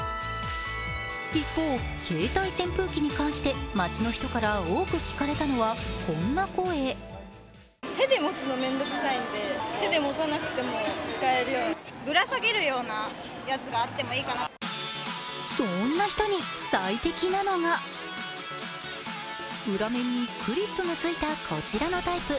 一方、携帯型扇風機に関して街の人から多く聞かれたのはこんな声そんな人に最適なのが裏面にクリップがついたこちらのタイプ。